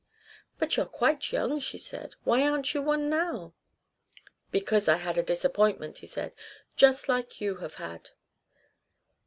"But you're quite young," she said. "Why aren't you one now?" "Because I had a disappointment," he said, "just like you have had."